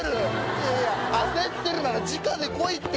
いやいや焦ってるならじかで来いって。